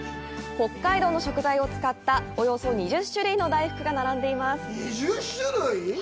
北海道の食材を使ったおよそ２０種類の大福が並んでいます！